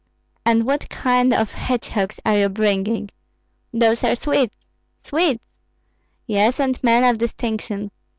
"And what kind of hedgehogs are you bringing?" "Those are Swedes." "Swedes!" "Yes, and men of distinction.